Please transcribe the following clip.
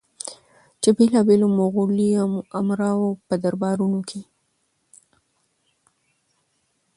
چې بېلابېلو مغولي امراوو په دربارونو کې